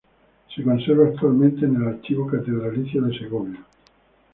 Se conserva actualmente en el Archivo Catedralicio de Segovia.